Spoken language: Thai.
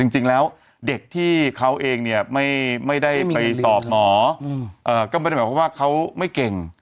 จริงแล้วเด็กที่เขาเองเนี่ยไม่ได้ไปสอบหมอก็ไม่ได้หมายความว่าเขาไม่เก่ง